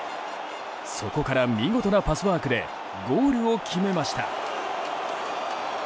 そこから、見事なパスワークでゴールを決めました。